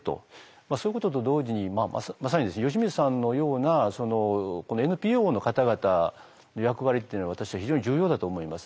そういうことと同時にまさに吉水さんのようなＮＰＯの方々の役割っていうのは私は非常に重要だと思います。